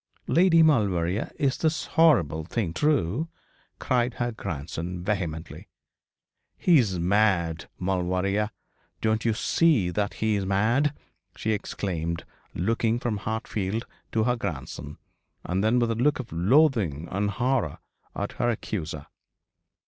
'Lady Maulevrier, is this horrible thing true?' cried her grandson, vehemently. 'He is mad, Maulevrier. Don't you see that he is mad?' she exclaimed, looking from Hartfield to her grandson, and then with a look of loathing and horror at her accuser.